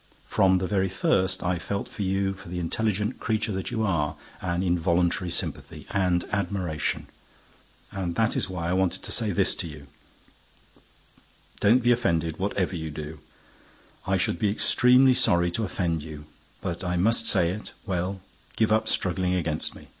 From the very first, I felt for you, for the intelligent creature that you are, an involuntary sympathy—and admiration. And that is why I wanted to say this to you—don't be offended, whatever you do: I should be extremely sorry to offend you—but I must say it: well, give up struggling against me.